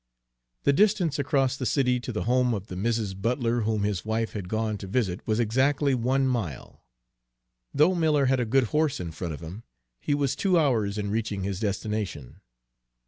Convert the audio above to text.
The distance across the city to the home of the Mrs. Butler whom his wife had gone to visit was exactly one mile. Though Miller had a good horse in front of him, he was two hours in reaching his destination.